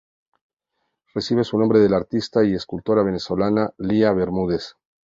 Recibe su nombre de la artista y escultora venezolana Lía Bermúdez.